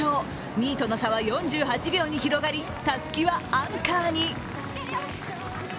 ２位との差は４８秒に広がりたすきはアンカーに。